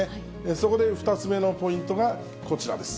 そこで２つ目のポイントがこちらです。